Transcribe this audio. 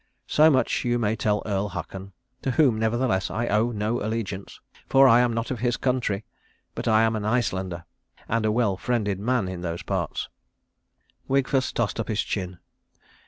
So much you may tell Earl Haakon to whom, nevertheless, I owe no allegiance; for I am not of his country, but am an Icelander, and a well friended man in those parts." Wigfus tossed up his chin.